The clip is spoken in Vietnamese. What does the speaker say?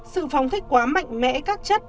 sự phóng thích quá mạnh mẽ các chất